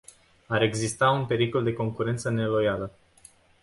Ar exista un pericol de concurență neloială.